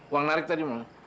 uang narik tadi mau